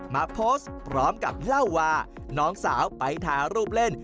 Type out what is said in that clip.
มาโพสต์พร้อมกับเล่าว่าน้องสาวไปถ่ายรูปเล่น